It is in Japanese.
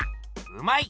うまい！